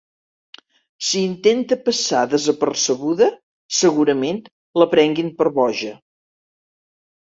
Si intenta passar desapercebuda, segurament la prenguin per boja.